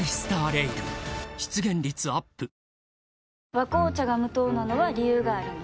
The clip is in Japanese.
「和紅茶」が無糖なのは、理由があるんよ。